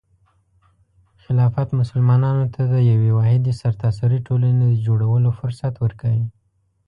خلافت مسلمانانو ته د یوې واحدې سرتاسري ټولنې د جوړولو فرصت ورکوي.